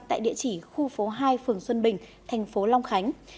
tại địa chỉ khu phố hai phường xuân bình thành phố long khánh